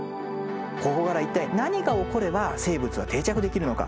ここから一体何が起これば生物は定着できるのか。